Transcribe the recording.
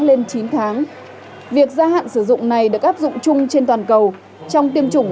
lên chín tháng việc gia hạn sử dụng này được áp dụng chung trên toàn cầu trong tiêm chủng